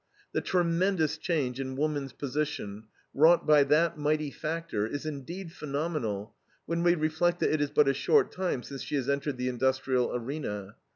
The tremendous change in woman's position, wrought by that mighty factor, is indeed phenomenal when we reflect that it is but a short time since she has entered the industrial arena.